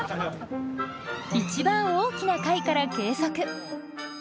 一番大きな貝から計測。